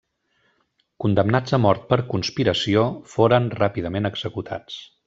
Condemnats a mort per conspiració, foren ràpidament executats.